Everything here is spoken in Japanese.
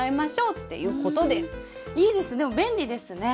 いいですね便利ですね。